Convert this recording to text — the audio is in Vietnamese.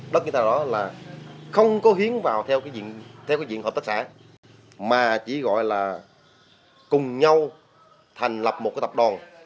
tất cả đó là không có hiến vào theo cái diện hợp tác xã mà chỉ gọi là cùng nhau thành lập một cái tập đoàn